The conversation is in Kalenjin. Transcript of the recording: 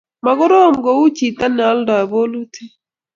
mokornon kou chito ne oldoi bolutik